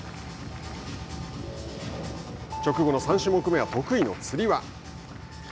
直後の３種目めは得意のつり輪。